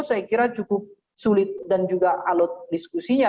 saya kira cukup sulit dan juga alut diskusinya